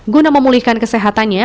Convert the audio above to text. guna memulihkan kesehatannya